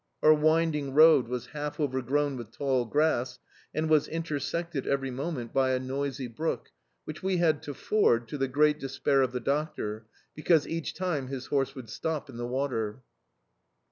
Our winding road was half overgrown with tall grass and was intersected every moment by a noisy brook, which we had to ford, to the great despair of the doctor, because each time his horse would stop in the water.